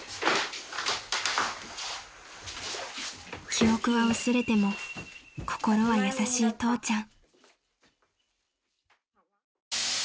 ［記憶は薄れても心は優しい父ちゃん］